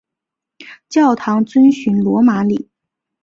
教堂遵循罗马礼。